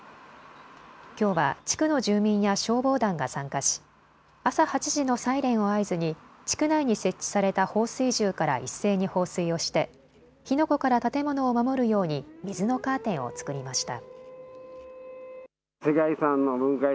きょうは地区の住民や消防団が参加し朝８時のサイレンを合図に地区内に設置された放水銃から一斉に放水をして火の粉から建物を守るように水のカーテンを作りました。